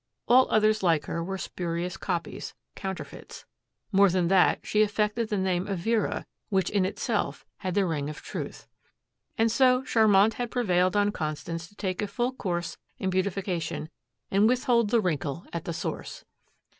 All others like her were spurious copies, counterfeits. More than that, she affected the name of Vera, which in itself had the ring of truth. And so Charmant had prevailed on Constance to take a full course in beautification and withhold the wrinkle at the source.